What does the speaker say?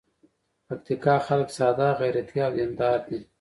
پکتیکا خلک ساده، غیرتي او دین دار دي.